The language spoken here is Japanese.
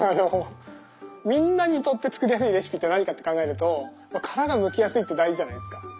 みんなにとって作りやすいレシピって何かって考えると殻がむきやすいって大事じゃないですか。